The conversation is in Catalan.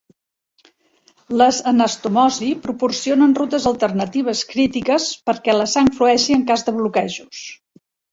Les anastomosi proporcionen rutes alternatives crítiques perquè la sang flueixi en cas de bloquejos.